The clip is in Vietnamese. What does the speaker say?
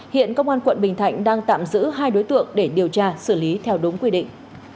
hiện công an quận bình thạnh đang tạm giữ hai đối tượng để điều tra xử lý theo đúng quy định